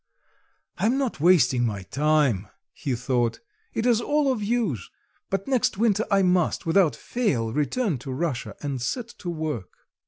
"I am not wasting my time," he thought, "it is all of use; but next winter I must, without fail, return to Russia and set to work."